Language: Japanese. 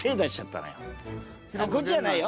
あっこっちじゃないよ。